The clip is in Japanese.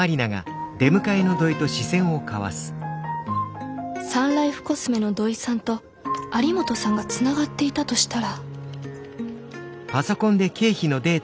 心の声サンライフコスメの土井さんと有本さんがつながっていたとしたら。